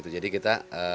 jadi kita lupa